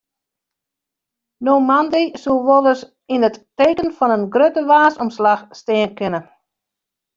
No moandei soe wolris yn it teken fan in grutte waarsomslach stean kinne.